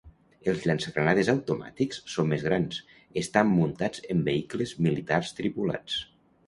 Els llançagranades automàtics són més grans, estan muntats en vehicles militars tripulats.